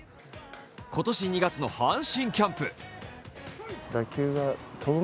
今年２月の阪神キャンプ。